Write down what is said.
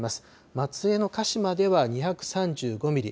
松江の鹿島では、２３５ミリ。